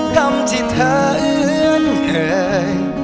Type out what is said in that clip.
กรรมที่เธอเอื้อนเคย